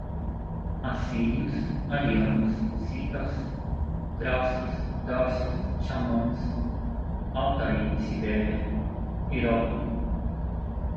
assírios, arianos, citas, trácios, dácios, xamãs, Altai, Sibéria, Heródoto